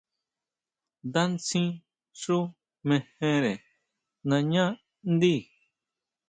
Ndá ntsín xú mejere nañá ndí.